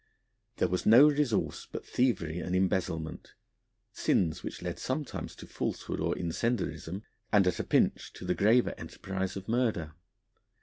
There was no resource but thievery and embezzlement, sins which led sometimes to falsehood or incendiarism, and at a pinch to the graver enterprise of murder.